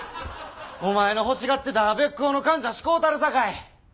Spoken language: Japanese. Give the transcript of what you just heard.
お前の欲しがってたべっ甲のかんざし買うたるさかい。